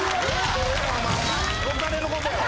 お金のことやろ！